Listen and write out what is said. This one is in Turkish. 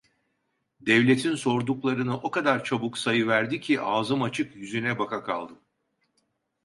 Devletin sorduklarını o kadar çabuk sayıverdi ki, ağzım açık yüzüne bakakaldım.